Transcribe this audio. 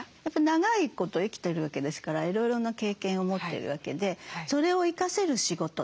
やっぱ長いこと生きてるわけですからいろいろな経験を持ってるわけでそれを生かせる仕事